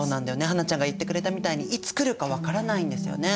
英ちゃんが言ってくれたみたいにいつ来るか分からないんですよね。